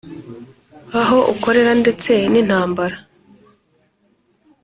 Aho ukorera ndetse n’intambara